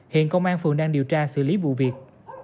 hiện công an phường đang điều tra xử lý vụ việc